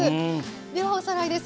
ではおさらいです。